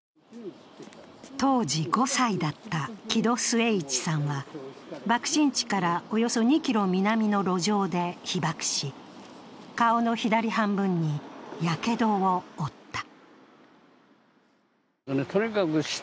当時５歳だった木戸季市さんは爆心地からおよそ２ｋｍ南の路上で被爆し顔の左半分にやけどを負った。